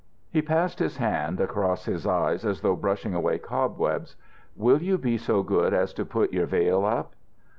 He passed his hand across his eyes as though brushing away cobwebs. "Will you be so good as to put your veil up."